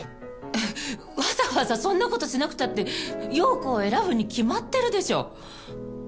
えっわざわざそんなことしなくたって陽子を選ぶに決まってるでしょ。